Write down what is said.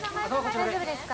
大丈夫ですか？